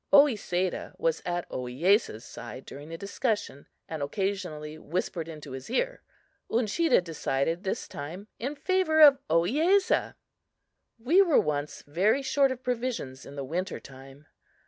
Oesedah was at Ohiyesa's side during the discussion, and occasionally whispered into his ear. Uncheedah decided this time in favor of Ohiyesa. We were once very short of provisions in the winter time.